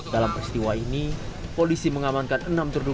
dalam peristiwa ini polisi mengamankan barang bukti